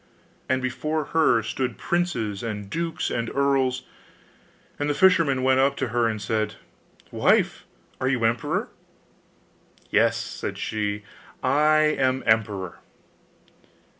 And before her stood princes, and dukes, and earls: and the fisherman went up to her and said, 'Wife, are you emperor?' 'Yes,' said she, 'I am emperor.